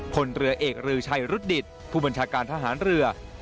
พลเรือเอกรือชัยรุดดิตผู้บัญชาการทหารเรือ